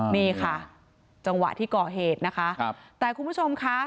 นี่ค่ะจังหวะที่ก่อเหตุนะคะครับแต่คุณผู้ชมค่ะ